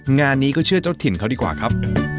งานนี้ก็เชื่อเจ้าถิ่นเขาดีกว่าครับ